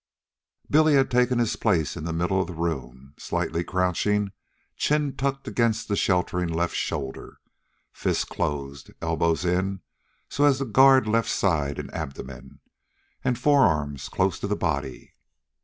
Billy had taken his place in the middle of the room, slightly crouching, chin tucked against the sheltering left shoulder, fists closed, elbows in so as to guard left side and abdomen, and forearms close to the body.